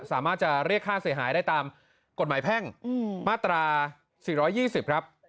สามารถจะเรียกค่าเสียหายได้ตามกฎหมายแพ่งอืมมาตราสี่ร้อยยี่สิบครับ